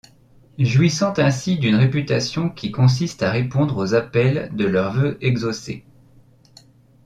Jouissant ainsi d’une réputation qui consiste à répondre aux appels de leurs vœux exaucés.